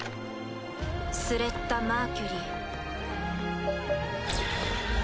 スレッタ・マーキュリー。